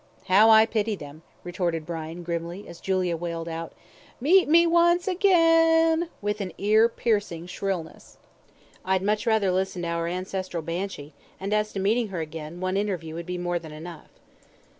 "How I pity them," retorted Brian, grimly, as Julia wailed out, "Meet me once again," with an ear piercing shrillness. "I'd much rather listen to our ancestral Banshee, and as to meeting her again, one interview would be more than enough."